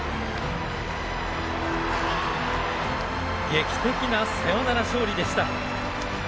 劇的なサヨナラ勝利でした。